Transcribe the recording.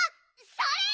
それ！